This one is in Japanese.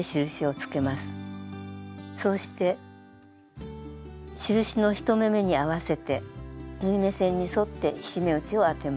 そうして印の１目めに合わせて縫い目線に沿って菱目打ちを当てます。